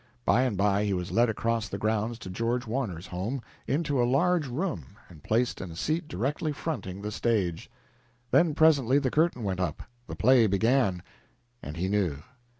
By and by he was led across the grounds to George Warner's home, into a large room, and placed in a seat directly fronting the stage. Then presently the curtain went up, the play began, and he knew.